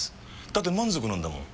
だって満足なんだもん。